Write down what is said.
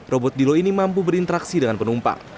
robot dilo ini mampu berinteraksi dengan penumpang